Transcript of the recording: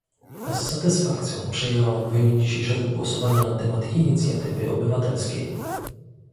Z satysfakcją przyjęłam wynik dzisiejszego głosowania na temat inicjatywy obywatelskiej